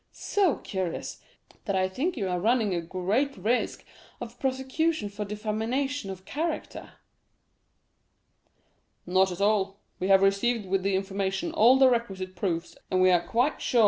"So curious, that I think you are running a great risk of a prosecution for defamation of character." "Not at all; we have received with the information all the requisite proofs, and we are quite sure M.